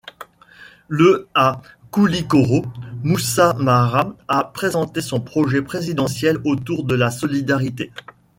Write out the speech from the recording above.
Le à Koulikoro, Moussa Mara a présenté son projet présidentiel autour de la solidarité.